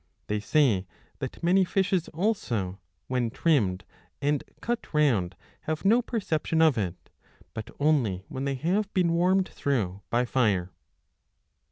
They say that 20 many fishes also, when trimmed and cut round, have no perception of it, but only when they have been warmed through by fire.